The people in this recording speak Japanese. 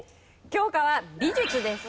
教科は美術です。